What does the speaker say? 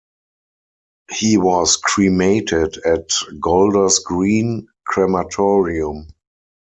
He was cremated at Golders Green crematorium.